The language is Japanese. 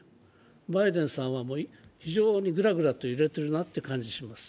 バイデンさんは非常にぐらぐらと揺れているなという感じがします。